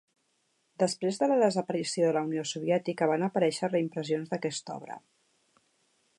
Després de la desaparició de la Unió Soviètica van aparèixer reimpressions d'aquesta obra.